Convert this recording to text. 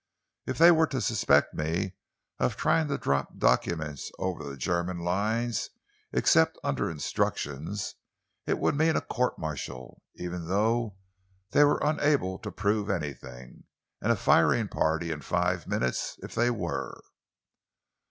If they were to suspect me of trying to drop documents over the German lines except under instructions, it would mean a court martial, even though they were unable to prove anything, and a firing party in five minutes if they were."